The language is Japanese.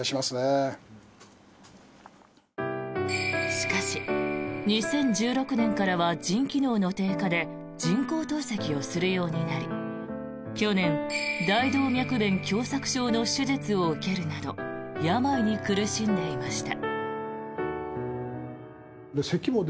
しかし、２０１６年からは腎機能の低下で人工透析をするようになり去年、大動脈弁狭窄症の手術を受けるなど病に苦しんでいました。